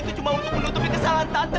semua itu cuma untuk menutupi kesalahan tante